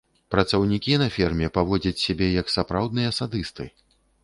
Працаўнікі на ферме паводзяць сябе як сапраўдныя садысты.